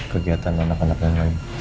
kegiatan anak anak yang lain